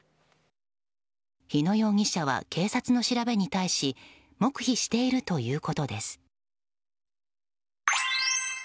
日野容疑者は警察の調べに対し黙秘しているということです。